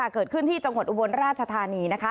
เกิดขึ้นที่จังหวัดอุบรรณราชธานี